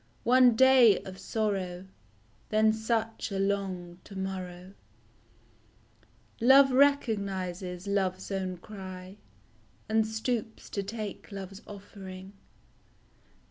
One day of sorrow Then such a long to morrow ! Love recognizes love's own cry, And stoops to take love's offering.